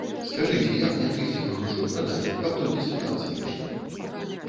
Скажыце, як нячысцікам душу прадаць, каб толькі спытацца нешта?